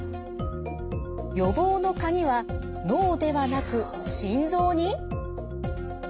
予防のカギは脳ではなく心臓に！？